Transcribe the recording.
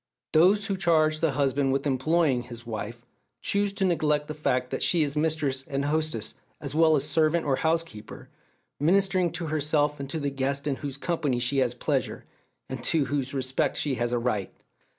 Those who charge the husband with "employing" his wife choose to neglect the fact that she is mistress and hostess, as well as "servant" or "housekeeper," ministering to herself and to the guests in whose company she has pleasure, and to whose respect she has a right.